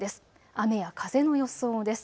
雨や風の予想です。